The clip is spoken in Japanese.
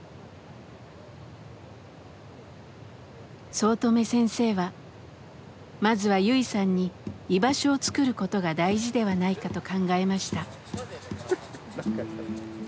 早乙女先生はまずはユイさんに居場所を作ることが大事ではないかと考えました。